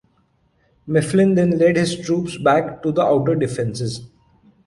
Mifflin then led his troops back to the outer defenses.